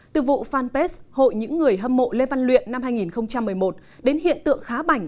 từ vụ fanpage hội những người hâm mộ lê văn luyện năm hai nghìn một mươi một đến hiện tượng khá bảnh